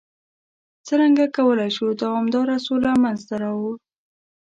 څرنګه کولای شو دوامداره سوله منځته راوړ؟